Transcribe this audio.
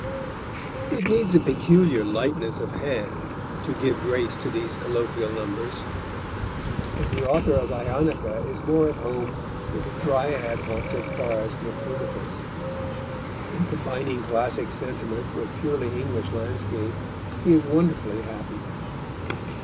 It needs a peculiar lightness of hand to give grace to these colloquial numbers, and the author of Ionica is more at home in the dryad haunted forest with Comatas. In combining classic sentiment with purely English landscape he is wonderfully happy.